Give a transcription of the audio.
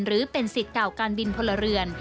หรือเป็นสิทธิ์เก่าการบินพลเรือน